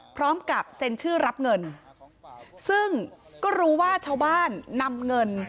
พร้อมกับเซ็นชื่อรับเงินซึ่งก็รู้ว่าชาวบ้านนำเงิน